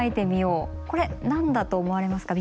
これ何だと思われますか？